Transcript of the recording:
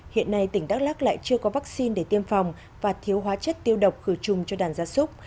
hiện nay tỉnh đắk lắc lại chưa có vaccine để tiêm phòng và thiếu hóa chất tiêu độc khử trùng cho đàn gia súc